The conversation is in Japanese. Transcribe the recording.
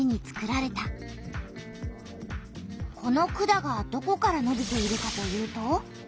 この管がどこからのびているかというと。